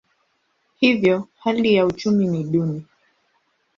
Hivyo hali ya uchumi ni duni.